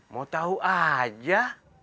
mau tahu aja